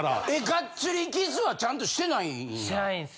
がっつりキスはちゃんとしてないんや。